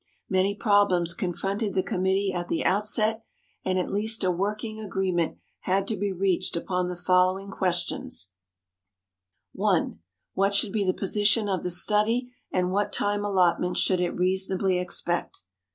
Many problems confronted the committee at the outset, and at least a working agreement had to be reached upon the following questions: 1. What should be the position of the study and what time allotment should it reasonably expect?